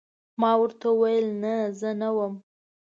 ما ورته وویل: نه، زه نه وم.